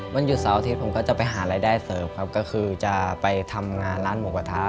วันหยุดเสาร์อาทิตย์ผมก็จะไปหารายได้เสริมครับก็คือจะไปทำงานร้านหมูกระทะ